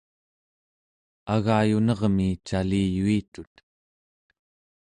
agayunermi caliyuitut